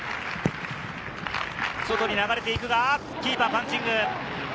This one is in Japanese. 外に流れていくが、キーパー、パンチング！